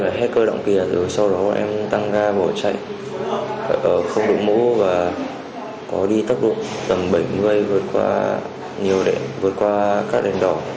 vượt qua các đoạn xe